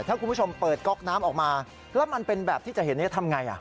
ถ้าคุณผู้ชมเปิดก๊อกน้ำออกมาแล้วมันเป็นแบบที่จะเห็นทำไง